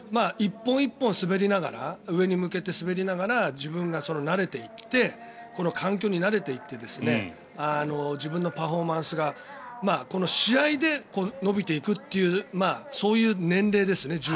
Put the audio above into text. １本１本滑りながら上に向けて滑りながら自分が慣れていってこの環境に慣れていって自分のパフォーマンスがこの試合で伸びていくというそういう年齢ですね